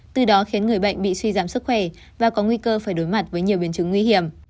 từ đó khiến người bệnh bị suy giảm sức khỏe và có nguy cơ phải đối mặt với nhiều biến chứng nguy hiểm